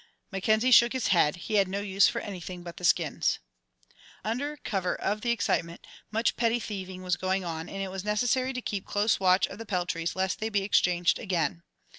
Mackenzie shook his head he had no use for anything but the skins. Under cover of the excitement, much petty thieving was going on, and it was necessary to keep close watch of the peltries, lest they be exchanged again.